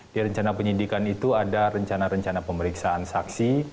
di rencana penyidikan itu ada rencana rencana pemeriksaan saksi